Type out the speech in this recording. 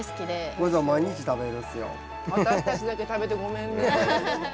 私たちだけ食べてごめんね。